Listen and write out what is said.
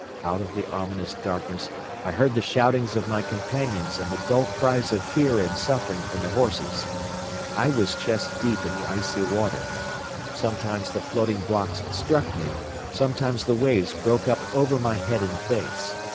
Out of the ominous darkness I heard the shoutings of my companions and the dull cries of fear and suffering from the horses. I was chest deep in the icy water. Sometimes the floating blocks struck me; sometimes the waves broke up over my head and face.